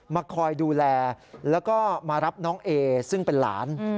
มาคอยดูแลแล้วก็มารับน้องเอซึ่งเป็นหลาน